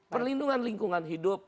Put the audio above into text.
perlindungan lingkungan hidup